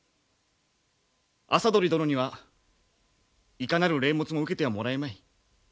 麻鳥殿にはいかなる礼物も受けてはもらえまい。